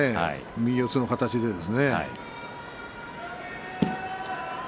右四つの形でね。